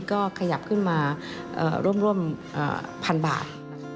ก็ขยับขึ้นมาร่วม๑๐๐๐บาท